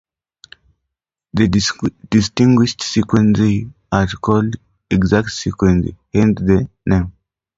The distinguished sequences are called "exact sequences", hence the name.